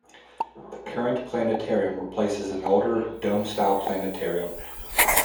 The current planetarium replaces an older, dome-style planetarium.